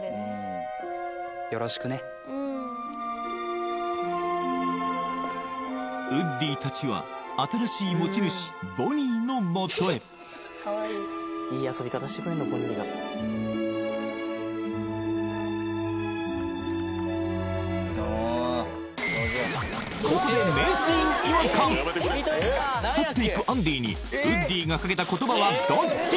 よろしくねウッディたちは新しい持ち主ボニーのもとへここで去っていくアンディにウッディがかけた言葉はどっち？